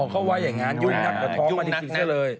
อ๋อเขาว่าอย่างงั้นยุ่งนักเดี๋ยวท้องมันจริงซะเลย